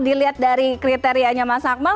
dilihat dari kriterianya mas akmal